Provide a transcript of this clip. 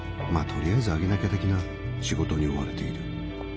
とりあえずあげなきゃ的な仕事に追われている。